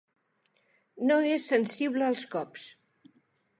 No és sensible als cops.